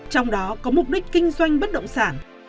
trong đó có mục đích kinh doanh bất động sản